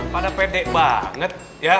pada pede banget